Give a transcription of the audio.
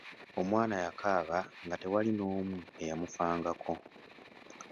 Omwana yakaaba nga tewaali n'omu eyamufangako.